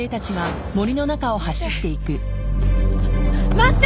待って。